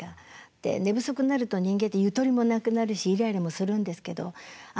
で寝不足になると人間ってゆとりもなくなるしイライラもするんですけどあ